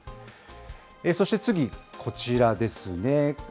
そして次、こちらですね。